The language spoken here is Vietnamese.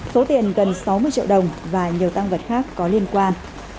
số tiền gần sáu mươi triệu đồng và nhiều tăng vật khác có liên quan